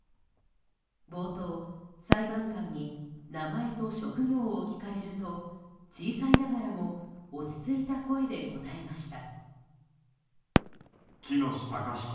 冒頭、裁判官に名前と職業を聞かれると小さいながらも落ち着いた声で答えました。